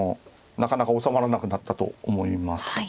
なかなかおさまらなくなったと思います。